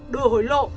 bị hồi lộ